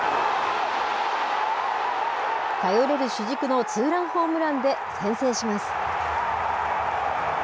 頼れる主軸のツーランホームランで先制します。